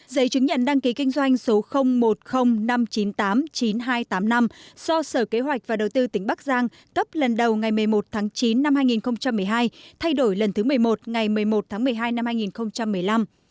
giấy chứng nhận đăng ký kinh doanh số một mươi nghìn năm trăm chín mươi tám chín nghìn hai trăm tám mươi năm do sở kế hoạch và đầu tư tỉnh bắc giang cấp lần đầu ngày một mươi một tháng chín năm hai nghìn một mươi hai thay đổi lần thứ một mươi một ngày một mươi một tháng một mươi hai năm hai nghìn một mươi năm